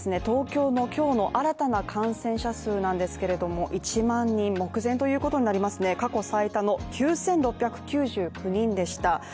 東京の今日の新たな感染者数なんですけれども、１万人目前ということになりますね過去最多の９６９９人でした。